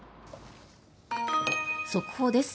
速報です。